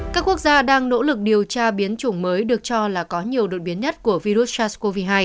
các quốc gia đang nỗ lực điều tra biến chủng mới được cho là có nhiều đột biến nhất của virus sars cov hai